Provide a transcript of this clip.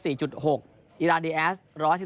อีรานดีแอส๑๑๒